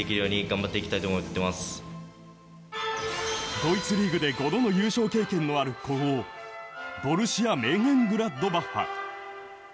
ドイツリーグで５度の優勝経験のある古豪ボルシア・メンヘングラッドバッハ。